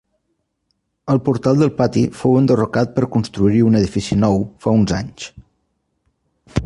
El portal del pati fou enderrocat per construir-hi un edifici nou fa uns anys.